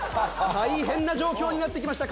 大変な状況になってきました。